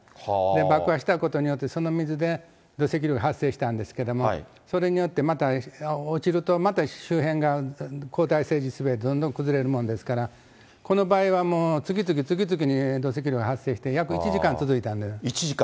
爆破したことによって、その水で土石流が発生したんですけども、それによってまた落ちるとまた、周辺が後退、どんどん崩れるものですから、この場合はもう次々次々に、土石流が発生して、１時間？